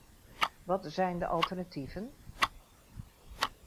Wat zijn de alternatieven?